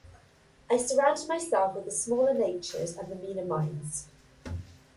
I surrounded myself with the smaller natures and the meaner minds.